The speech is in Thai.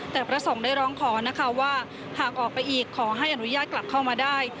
แต่พระสงฆ์ได้ร้องขอนะคะว่าหากออกไปอีกขอให้อนุญาตกลับเข้ามาได้